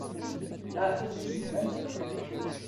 Ah susem kan!